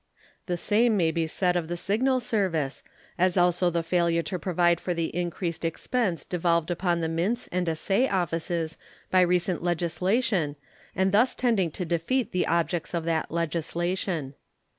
The same may be said of the Signal Service, as also the failure to provide for the increased expense devolved upon the mints and assay offices by recent legislation, and thus tending to defeat the objects of that legislation.